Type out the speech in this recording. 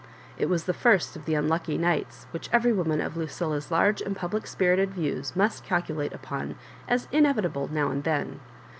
It was the first of the unlucky nigl\te, which every woman of Lucilla's Urge and public spirited views must calculate upon as inevitable now and then.